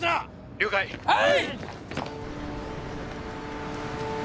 了解はい！